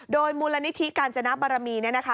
โดยมูลนิธิกาญจนบารมีเนี่ยนะคะ